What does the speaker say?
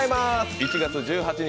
１月１８日